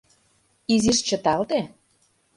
Изиш чыталте.